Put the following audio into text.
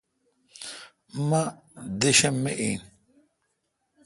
مہ دیشم می این۔